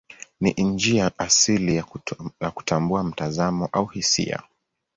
Ni njia asili ya kutambua mtazamo au hisia.